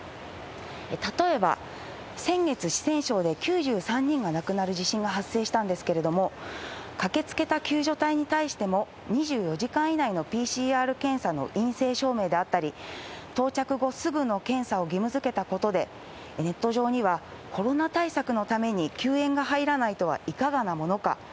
例えば、先月、四川省で９３人が亡くなる地震が発生したんですけれども、駆けつけた救助隊に対しても、２４時間以内のＰＣＲ検査の陰性証明であったり、到着後すぐの検査を義務づけたことで、ネット上には、コロナ対策のために救援が入らないとはいかがなものか。